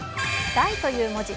「大」という文字。